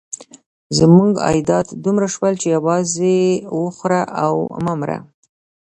زموږ عایدات دومره شول چې یوازې وخوره او مه مره.